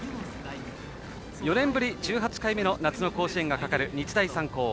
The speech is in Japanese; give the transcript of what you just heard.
４年ぶり１８回目の夏の甲子園がかかる日大三高。